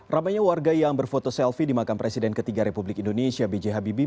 ramainya warga yang berfoto selfie di makam presiden ketiga republik indonesia b j habibie